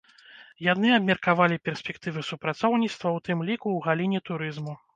Яны абмеркавалі перспектывы супрацоўніцтва, у тым ліку ў галіне турызму.